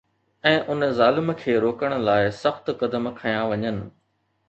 ۽ ان ظالم کي روڪڻ لاءِ سخت قدم کنيا وڃن